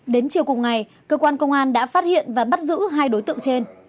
đến chiều cùng ngày cơ quan công an đã phát hiện và bắt giữ hai đối tượng trên